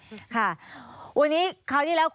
มีความรู้สึกว่ามีความรู้สึกว่า